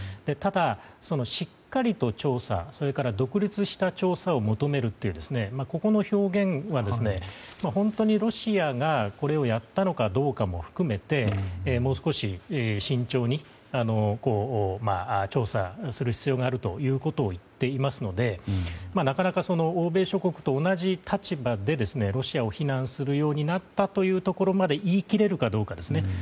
ただ、しっかりと調査それから独立した調査を求めるというここの表現は本当にロシアがこれをやったのかどうかも含めてもう少し慎重に調査する必要があるということを言っていますのでなかなか欧米諸国と同じ立場でロシアを非難するようになったというところまで言い切れるかどうかですね。